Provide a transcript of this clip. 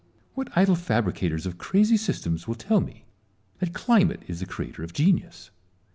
What idle fabricators of crazy systems will tell me that climate is the creator of genius?